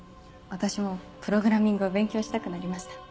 私もプログラミングを勉強したくなりました。